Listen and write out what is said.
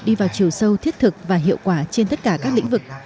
đi vào chiều sâu thiết thực và hiệu quả trên tất cả các lĩnh vực